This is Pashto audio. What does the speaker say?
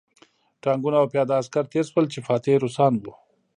ټانکونه او پیاده عسکر تېر شول چې فاتح روسان وو